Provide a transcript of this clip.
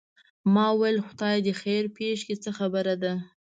ما وویل خدای دې خیر پېښ کړي څه خبره ده.